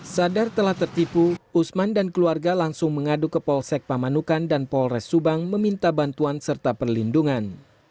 sadar telah tertipu usman dan keluarga langsung mengadu ke polsek pamanukan dan polres subang meminta bantuan serta perlindungan